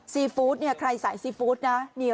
ซีฟู้ดเนี่ยใครสายซีฟู้ดนะ